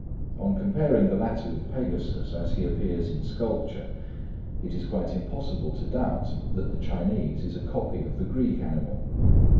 On comparing the latter with Pegasus as he appears in sculpture, it is quite impossible to doubt that the Chinese is a copy of the Greek animal.